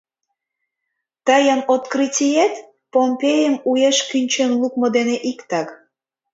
Тыйын открытиет Помпейым уэш кӱнчен лукмо дене иктак...